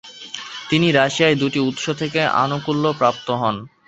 তিনি রাশিয়ায় দুটো উৎস থেকে আনুকূল্য প্রাপ্ত হন।